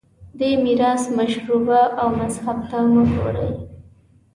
دې میراث مشرب او مذهب ته مه ګورئ